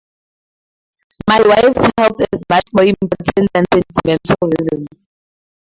My wife's health is much more important than sentimental reasons.